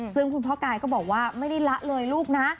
ซึ่งคุณพ่อกายก็บอกว่าไม่ได้ละเลยลูกนะ